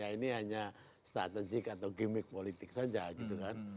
karena ini hanya strategik atau gimmick politik saja gitu kan